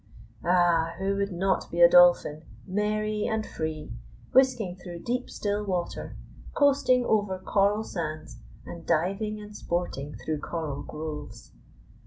Ah, who would not be a Dolphin, merry and free, whisking through deep, still water, coasting over coral sands, and diving and sporting through coral groves!